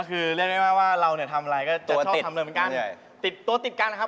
ก็จะจะทำเรื่องเหมือนกันตัวติดกันครับ